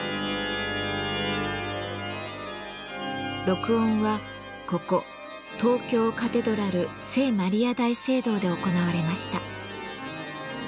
録音はここ東京カテドラル聖マリア大聖堂で行われました。